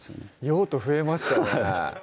用途増えましたね